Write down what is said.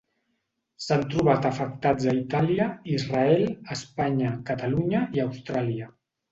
S'han trobat afectats a Itàlia, Israel, Espanya, Catalunya i Austràlia.